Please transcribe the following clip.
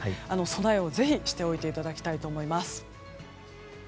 備えをしておいていただきたいと思います。